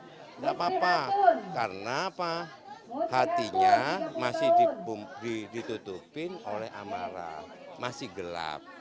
tidak apa apa karena hatinya masih ditutupin oleh amarah masih gelap